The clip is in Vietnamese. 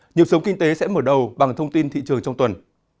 nhiệm sống kinh tế sẽ mở đầu bằng thông tin thị trường trong tuần